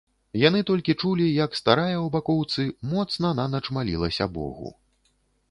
Яны толькі чулі, як старая ў бакоўцы моцна нанач малілася богу.